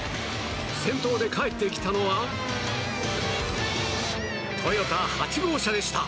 先頭で帰ってきたのはトヨタ８号車でした。